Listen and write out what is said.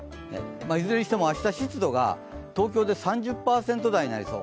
いずれにしても明日、湿度が東京で３０％台になりそう。